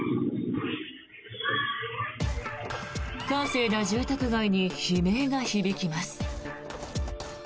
閑静な住宅街に悲鳴が響きます。